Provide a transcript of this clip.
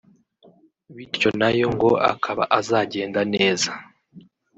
bityo nayo ngo akaba azagenda neza